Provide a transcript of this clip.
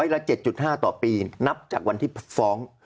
ก็จะร้อยละ๗๕ต่อปีนับจากวันที่ฟ้อง